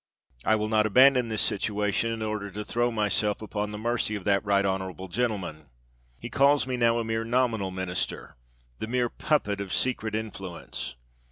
I will not abandon this situation in order to throw myself upon the mercy of that right honorable gentleman. He calls me now a mere nominal minister, the mere puppet of secret in fluence.